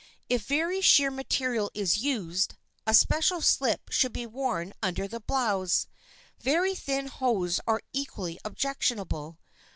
If very sheer material is used, a special slip should be worn under the blouse. Very thin hose are equally objectionable.